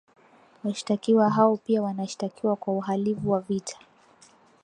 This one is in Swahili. washtakiwa hao pia wanashtakiwa kwa uhalivu wa vita